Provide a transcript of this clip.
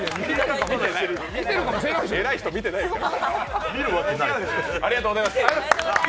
偉い人見てないから。